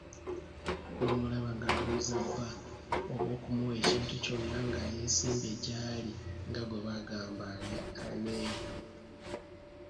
N'omulaba ng'abuuza bba oba okumuwa ekintu kyonna nga yeesimbye jjaali nga gwe bagamba alya amenvu.